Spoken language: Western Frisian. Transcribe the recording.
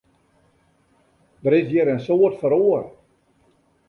Der is hjir in soad feroare.